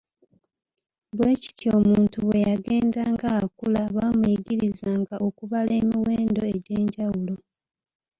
Bwe kityo omuntu bwe yagendanga akula baamuyigirizanga okubala emiwendo egy'enjawulo.